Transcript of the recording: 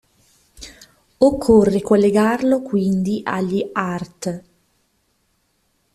Occorre collegarlo quindi agli artt.